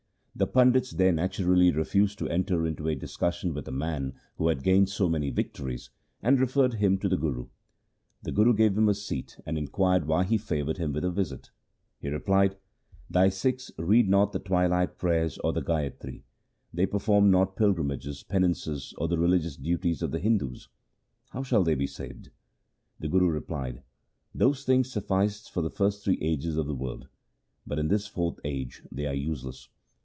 The pandits there naturally refused to enter into a discussion with a man who had gained so many victories, and referred him to the Guru. The Guru gave him a seat, and inquired why he favoured him with a visit. He replied, ' Thy Sikhs read not the twilight prayers or the gayatri. They perform not pilgrimages, penances, or the religious duties of the Hindus ; how shall they be saved ?' The Guru replied, ' Those things sufficed for the first three ages of the world, but in this fourth age they are useless.